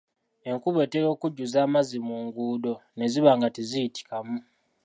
Enkuba etera okujjuza amazzi mu nguudo ne ziba nga teziyitikamu.